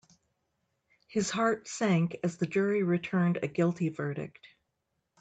His heart sank as the jury returned a guilty verdict.